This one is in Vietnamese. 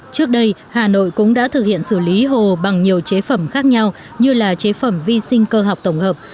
trước đây hà nội cũng đã thực hiện xử lý hồ bằng nhiều chế phẩm khác nhau như là chế phẩm vi sinh cơ học tổng hợp